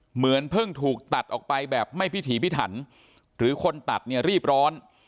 เหมือนเพิ่งถูกตัดออกไปแบบไม่พิถีพิถันหรือคนตัดเนี่ยรีบร้อน